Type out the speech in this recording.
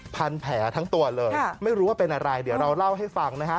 พันแผลทั้งตัวเลยไม่รู้ว่าเป็นอะไรเดี๋ยวเราเล่าให้ฟังนะฮะ